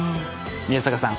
宮坂さん